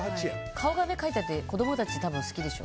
顔が描いてあって子供たちも好きでしょ。